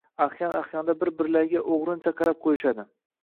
Ahyon-ahyonda bir-birlariga o’g’rincha qarab qo’yishadi.